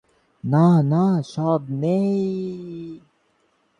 না, না, সব নেই।